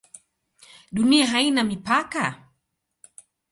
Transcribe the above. Dunia haina mipaka?